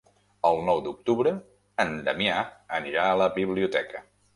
El nou d'octubre en Damià anirà a la biblioteca.